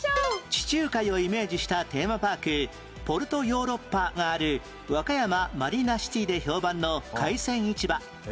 地中海をイメージしたテーマパークポルトヨーロッパがある和歌山マリーナシティで評判の海鮮市場